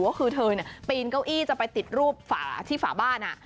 ว่าคือเธอเนี้ยปีนเก้าอี้จะไปติดรูปฝาที่ฝ่าบ้านอ่ะ